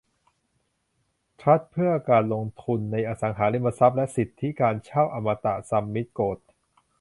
ทรัสต์เพื่อการลงทุนในอสังหาริมทรัพย์และสิทธิการเช่าอมตะซัมมิทโกรท